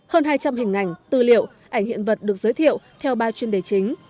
hơn hai trăm linh hình ảnh tư liệu ảnh hiện vật được giới thiệu theo ba chuyên đề chính